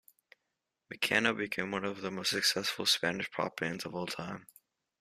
Mecano became one of the most successful Spanish pop bands of all time.